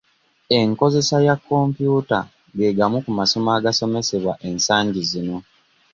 Enkozesa ya kompyuta ge gamu ku masomo agasomesebwa ensangi zino.